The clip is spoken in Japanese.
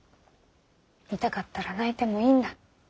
痛かったら泣いてもいいんだ。